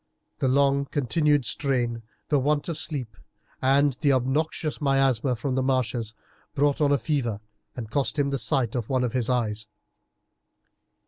The long continued strain, the want of sleep, and the obnoxious miasma from the marshes, brought on a fever and cost him the sight of one of his eyes.